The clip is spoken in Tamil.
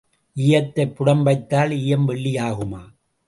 ஈயத்தைப் புடம் வைத்தால் ஈயம் வெள்ளி ஆகுமா?